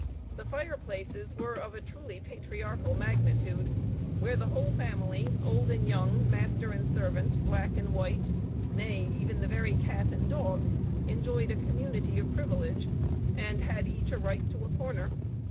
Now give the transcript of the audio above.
The fireplaces were of a truly patriarchal magnitude, where the whole family, old and young, master and servant, black and white, nay, even the very cat and dog, enjoyed a community of privilege, and had each a right to a corner.